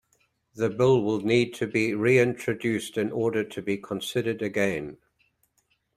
The bill will need to be re-introduced in order to be considered again.